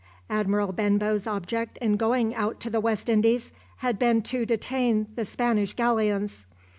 Admiral Benbow's object in going out to the West Indies had been to detain the Spanish galleons.